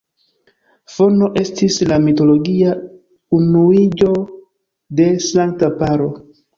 Fono estis la mitologia unuiĝo de sankta paro.